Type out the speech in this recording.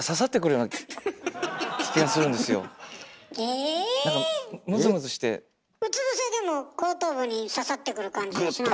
うつ伏せでも後頭部に刺さってくる感じはしないの？